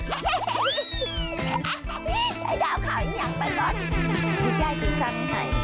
เฮ้เฮไอ้ดาวขาวยังไม่ร้อน